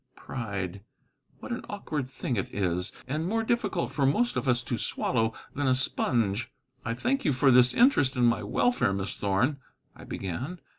Pride! What an awkward thing it is, and more difficult for most of us to swallow than a sponge. "I thank you for this interest in my welfare, Miss Thorn," I began.